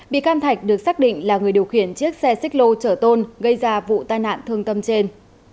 bị can thạch được xác định là người điều khiển chiếc xe xích lô chở tôn gây ra vụ tai nạn thương tâm trên